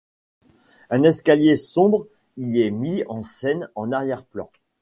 Un escalier sombre y est mis en scène en arrière-plan.